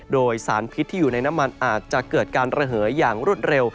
โดยสารพิษที่อยู่ในน้ำมันอาจจะเกิดการระเหยอย่างรวดเร็ว